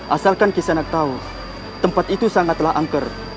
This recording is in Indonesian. asalkan kisanak tahu tempat itu sangatlah angker